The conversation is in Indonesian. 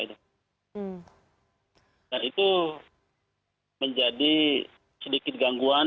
dan itu menjadi sedikit gangguan